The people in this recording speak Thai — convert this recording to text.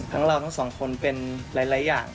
เราทั้งสองคนเป็นหลายอย่าง